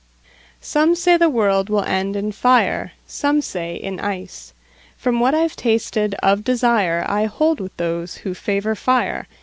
SOME say the world will end in fire, Some say in ice. From what I've tasted of desireI hold with those who favor fire.